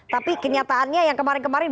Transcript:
tapi kenyataannya yang kemarin kemarin